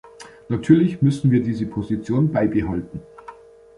Natürlich müssen wir diese Position beibehalten.